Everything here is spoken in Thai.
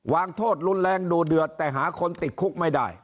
วางโทษรุนแรงดูเดือดแต่หาคนติดคุกไม่ได้